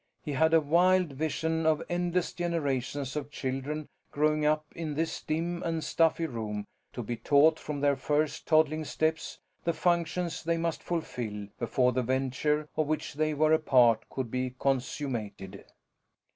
He had a wild vision of endless generations of children growing up in this dim and stuffy room, to be taught from their first toddling steps the functions they must fulfill before the venture of which they were a part could be consummated.